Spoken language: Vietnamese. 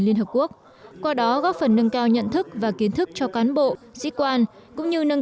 liên hợp quốc qua đó góp phần nâng cao nhận thức và kiến thức cho cán bộ sĩ quan cũng như nâng